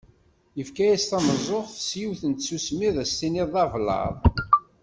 Yefka-as tameẓẓuɣt s yiwet n tsusmi ad as-tiniḍ d ablaḍ.